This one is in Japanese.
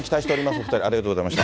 お２人、ありがとうございました。